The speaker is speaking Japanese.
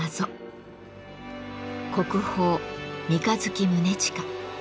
国宝「三日月宗近」。